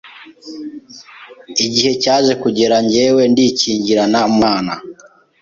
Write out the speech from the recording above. Igihe cyaje kugera njyewe ndikingirana mu nzu nsenga Imana